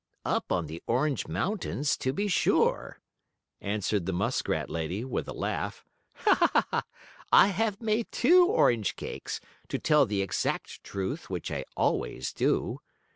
"Up on the Orange Mountains, to be sure," answered the muskrat lady, with a laugh. "I have made two orange cakes, to tell the exact truth, which I always do.